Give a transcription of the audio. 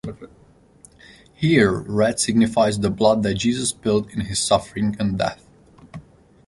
Here, red signifies the blood that Jesus spilled in his suffering and death.